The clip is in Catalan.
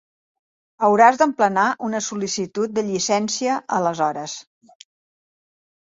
Hauràs d'emplenar una sol·licitud de llicència aleshores.